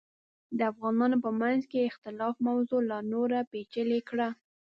د افغانانو په منځ کې اختلاف موضوع لا نوره پیچلې کړه.